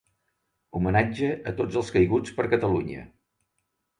Homenatge a tots els caiguts per Catalunya.